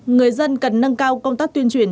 người dân cần nâng cao công tác tuyên truyền